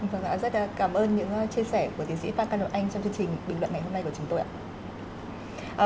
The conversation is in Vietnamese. vâng ạ rất cảm ơn những chia sẻ của tiến sĩ phan cano anh trong chương trình bình luận ngày hôm nay của chúng tôi ạ